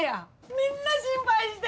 みんな心配して！